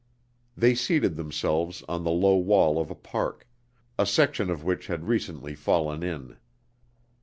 They seated themselves on the low wall of a park, a section of which had recently fallen in.